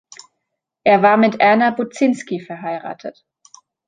Er war mit Erna Budzinski verheiratet.